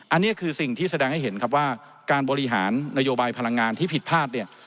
อันนี้คือสิ่งที่แสดงให้เห็นครับว่าการบริหารนโยบายพลังงานที่ผิดพลาดเนี่ย